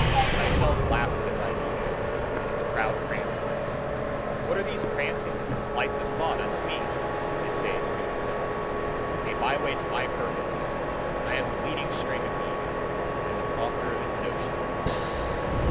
Thy Self laugheth at thine ego, and its proud prancings. "What are these prancings and flights of thought unto me?" it saith to itself. "A by way to my purpose. I am the leading string of the ego, and the prompter of its notions."